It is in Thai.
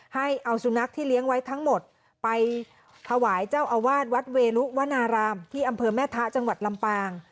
ให้เอาสุนัขที่เลี้ยงไว้ทั้งหมดไปถวายเจ้าอาวาสวัดเวรุวนารามที่อำเภอแม่ทะจังหวัดลำปาง